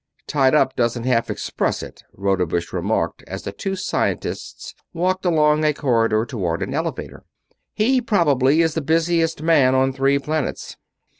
"'Tied up' doesn't half express it," Rodebush remarked as the two scientists walked along a corridor toward an elevator. "He probably is the busiest man on three planets."